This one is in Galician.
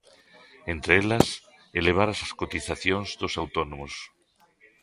Entre elas, elevar as cotizacións dos autónomos.